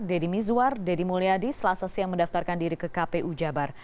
deddy mizwar deddy mulyadi selasa siang mendaftarkan diri ke kpu jabar